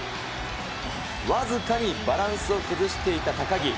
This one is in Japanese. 僅かにバランスを崩していた高木。